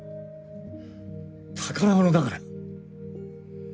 宝物だから。